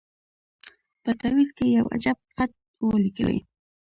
په تعویذ کي یو عجب خط وو لیکلی